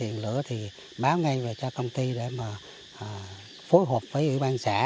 hiện lửa thì báo ngay về cho công ty để mà phối hợp với ủy ban xã